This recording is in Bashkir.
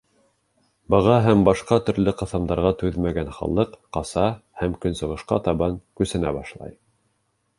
Быға һәм башҡа төрлө ҡыҫымдарға түҙмәгән халыҡ ҡаса һәм көнсығышҡа табан күсенә башлай.